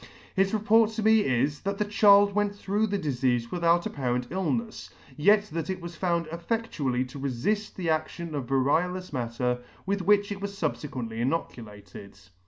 His report to me is, that the child went through the difeafe without apparent illnefs, yet that it was found effedually to refill the adion of variolous matter with which it was fubfequently inoculated.